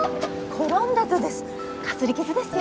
転んだとです。